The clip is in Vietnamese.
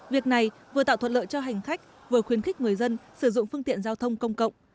việc này vừa tạo thuận lợi cho hành khách vừa khuyến khích người dân sử dụng phương tiện giao thông công cộng